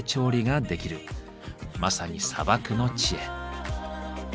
まさに砂漠の知恵。